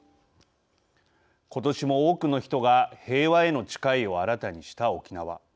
ことしも多くの人が平和への誓いを新たにした沖縄。